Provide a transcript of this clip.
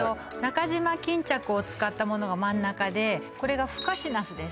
中島巾着を使ったものが真ん中でこれがふかしナスです